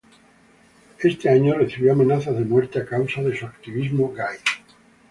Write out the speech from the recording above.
Ese año, recibió amenazas de muerte a causa de su activismo de gay.